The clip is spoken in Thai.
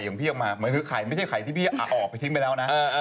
แต่สิ่งที่เป็นผู้ชายกับผู้ชาย